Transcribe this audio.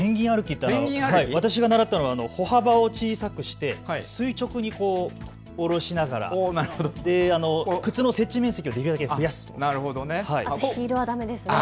私が習ったのは歩幅を小さくして垂直に下ろしながら靴の接地面積をできるだけ多く。